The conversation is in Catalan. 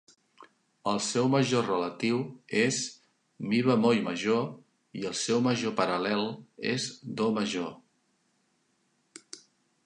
El seu major relatiu és Mi bemoll major i el seu major paral·lel és Do major